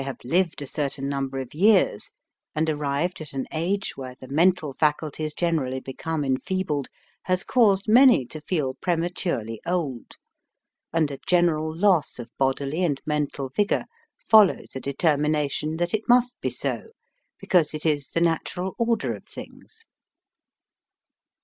75 have lived a certain number of years and arrived at an age where the men tal faculties generally become en feebled, has caused many to feel pre maturely old, and a general loss of bodily and mental vigor follows a de termination that it must be so, because it is the natural order of things.